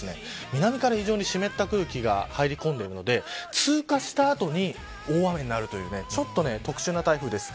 南から非常に湿った空気が入り込んでいるので通過した後に大雨になるというちょっと特殊な台風です。